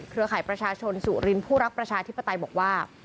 ข่ายประชาชนสุรินทร์ผู้รักประชาธิปไตยบอกว่า